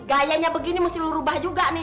gayanya begini mesti lo rubah juga nih